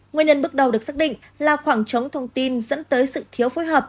nguyên nhân bước đầu được xác định là khoảng trống thông tin dẫn tới sự thiếu phối hợp